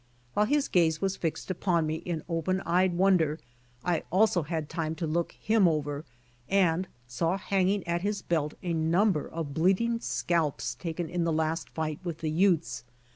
While his gaze was fixed upon me in open eyed wonder, I also had time to look him over andsawhangingat his belt a number of bleeding scalps taken in the last fight with the Utes.